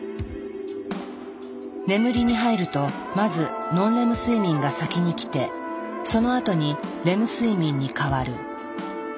眠りに入るとまずノンレム睡眠が先に来てそのあとにレム睡眠に変わる。